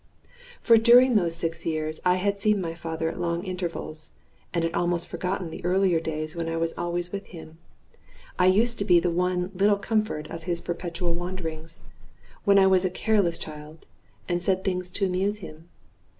For during those six years I had seen my father at long intervals, and had almost forgotten the earlier days when I was always with him. I used to be the one little comfort of his perpetual wanderings, when I was a careless child, and said things to amuse him.